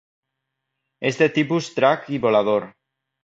És de tipus drac i volador.